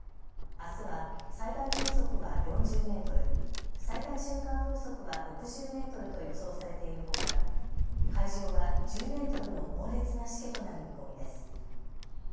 あすは最大風速は４０メートル、最大瞬間風速は６０メートルと予想されているほか海上は１０メートルの猛烈なしけとなる見込みです。